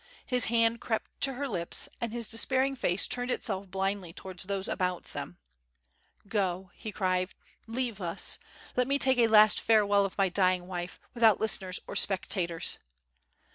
His hand crept to her lips, and his despairing face turned itself blindly towards those about them. "Go!" he cried; "leave us! Let me take a last farewell of my dying wife, without listeners or spectators."